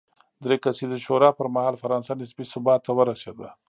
درې کسیزې شورا پر مهال فرانسه نسبي ثبات ته ورسېده.